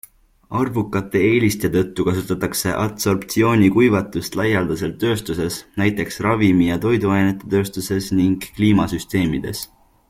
Arvukate eeliste tõttu kasutatakse adsorptsioonkuivatust laialdaselt tööstuses, näiteks ravimi- ja toiduainetetööstuses ning kliimasüsteemides.